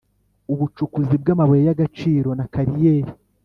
ubucukuzi bw’ amabuye y’ agaciro na kariyeri